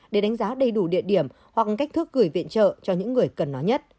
để đánh giá đầy đủ địa điểm hoặc cách thước gửi viện trợ cho những người cần nó nhất